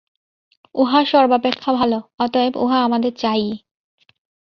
উহা সর্বাপেক্ষা ভাল, অতএব উহা আমাদের চাই-ই।